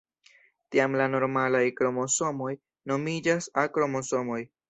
Tiam la normalaj kromosomoj nomiĝas A-kromosomoj.